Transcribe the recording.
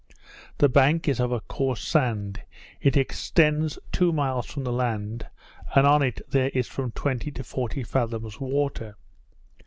The bank is a coarse sand; it extends two miles from the land, and on it there is from twenty to forty fathoms water.